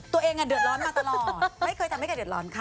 ตัวเองเดือดร้อนมาตลอดไม่เคยทำให้ใครเดือดร้อนค่ะ